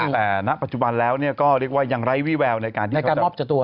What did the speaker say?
แต่ณปัจจุบันแล้วเนี่ยก็เรียกว่ายังไร้วิแววในการมอบตัว